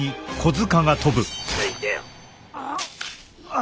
あ。